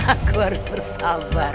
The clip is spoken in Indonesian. aku harus bersabar